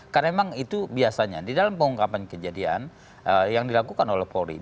karena memang itu biasanya di dalam pengungkapan kejadian yang dilakukan oleh polisi